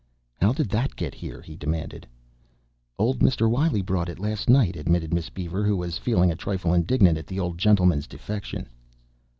"How did that get here?" he demanded. "Old Mr. Wiley brought it last night," admitted Miss Beaver, who was feeling a trifle indignant at the old gentleman's defection.